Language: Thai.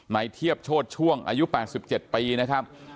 นายเทียบโชธช่วงอายุ๘๗ปีนะครับ